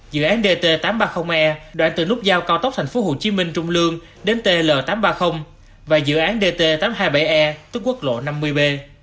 dự án dt tám trăm ba mươi e đoạn từ nút giao cao tốc tp hcm trung lương đến tl tám trăm ba mươi và dự án dt tám trăm hai mươi bảy e tức quốc lộ năm mươi b